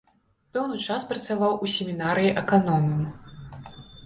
Пэўны час працаваў у семінарыі аканомам.